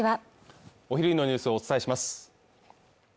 お昼のニュースをお伝えしますＦＩＦＡ